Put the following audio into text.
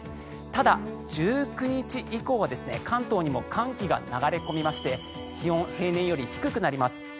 ただ、１９日以降は関東にも寒気が流れ込みまして気温、平年より低くなります。